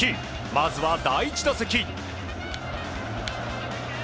まずは第１打席。